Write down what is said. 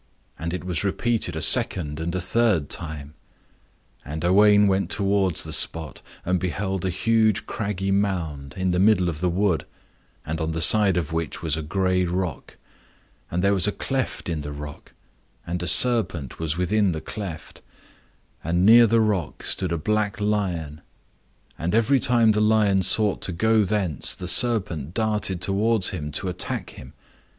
And it was repeated a second and a third time. And Owain went towards the spot, and beheld a huge craggy mound, in the middle of the wood, on the side of which was a gray rock. And there was a cleft in the rock, and a serpent was within the cleft. And near the rock stood a black lion, and every time the lion sought to go thence the serpent darted towards him to attack him.